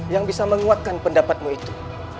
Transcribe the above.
yang bisa menguatkan pendapatmu itu